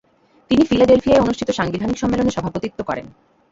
তিনি ফিলাডেলফিয়ায় অনুষ্ঠিত সাংবিধানিক সম্মেলনে সভাপতিত্ব করেন।